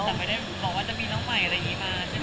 แต่ไม่ได้บอกว่าจะมีน้องใหม่อะไรอย่างนี้มาใช่ไหม